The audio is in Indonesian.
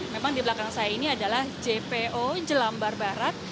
memang di belakang saya ini adalah jpo jelambar barat